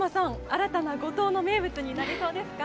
新たな五島の名物になりそうですか？